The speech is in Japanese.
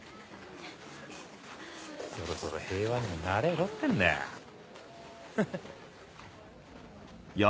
そろそろ平和にも慣れろってんだよハハ。